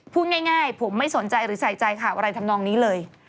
พูดง่ายผมไม่สนใจหรือใส่ใจข่าวอะไรทำนองนี้เลย